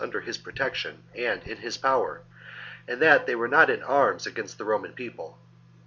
under his protection and in his power, and that they were not in arms against the Roman People.